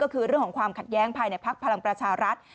ก็คือเรื่องของความขัดแย้งภายในภักดิ์พลังประชารัฐ